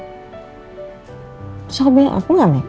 terus aku bilang aku gak makeup